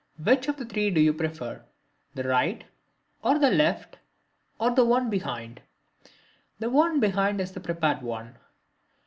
Which of the three do you prefer, the right or the left, or the one behind?" (The one behind is the prepared one.)